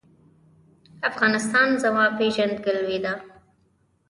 افغانستان زما پیژندګلوي ده؟